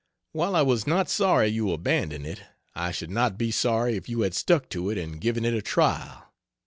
While I was not sorry you abandoned it, I should not be sorry if you had stuck to it and given it a trial.